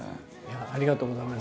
ありがとうございます。